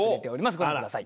ご覧ください。